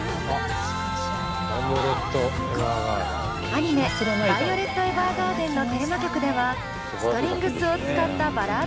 アニメ「ヴァイオレット・エヴァーガーデン」のテーマ曲ではストリングスを使ったバラード曲を制作。